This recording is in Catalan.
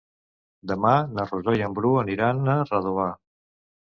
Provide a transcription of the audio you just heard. Demà na Rosó i en Bru aniran a Redovà.